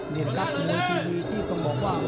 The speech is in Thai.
นี่นะครับมวยทีวีที่ต้องบอกว่า